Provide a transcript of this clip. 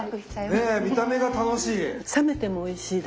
ねえ見た目が楽しい！